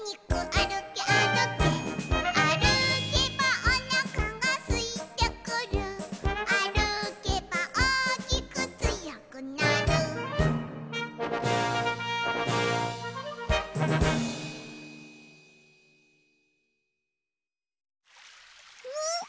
「あるけばおおきくつよくなる」う？